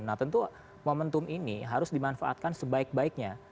nah tentu momentum ini harus dimanfaatkan sebaik baiknya